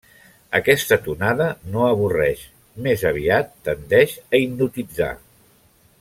Aquesta tonada no avorreix, més aviat tendeix a hipnotitzar.